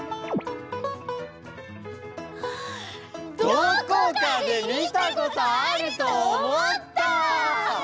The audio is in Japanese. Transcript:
どこかでみたことあるとおもった！